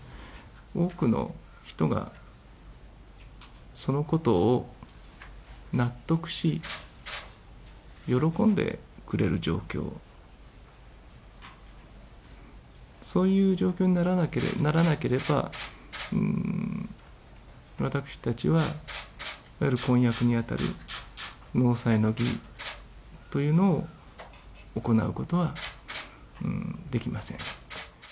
多くの人がそのことを納得し、喜んでくれる状況、そういう状況にならなければ、私たちは、いわゆる婚約に当たる納采の儀というのを、行うことはできません。